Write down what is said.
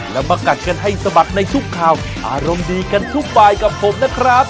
แล้วมากัดกันให้สะบัดในทุกข่าวอารมณ์ดีกันทุกบายกับผมนะครับ